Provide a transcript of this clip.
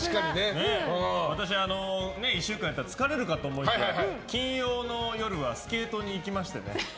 私、１週間やったら疲れるかと思いきや金曜日の夜はスケートに行きましてね。